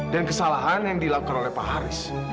dan kesalahan yang dilakukan oleh pak haris